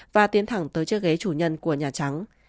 và tiến thẳng tới chiếc ghế chủ nhân của nhà trắng